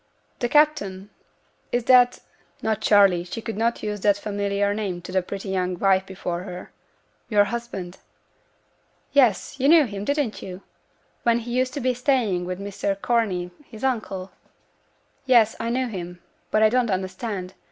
'The captain! is that' (not 'Charley', she could not use that familiar name to the pretty young wife before her) 'yo'r husband?' 'Yes, you knew him, didn't you? when he used to be staying with Mr Corney, his uncle?' 'Yes, I knew him; but I don't understand.